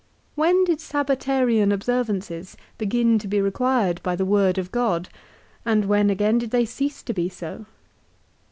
When did Sabbatarian observances begin to be required by the word of God, and when again did they cease to be so?